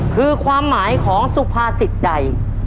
คือความหมายของสุภาษิตใด